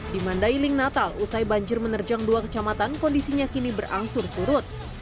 di mandailing natal usai banjir menerjang dua kecamatan kondisinya kini berangsur surut